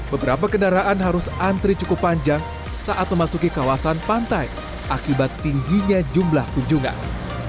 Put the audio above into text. beberapa kendaraan harus antri cukup panjang saat memasuki kawasan pantai akibat tingginya jumlah kunjungan